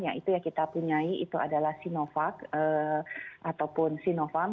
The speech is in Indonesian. yaitu yang kita punyai itu adalah sinovac ataupun sinovac